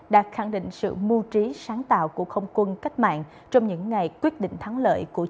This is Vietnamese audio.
đã khẳng định sự mưu trí sáng tác